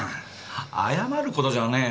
謝る事じゃねえよ。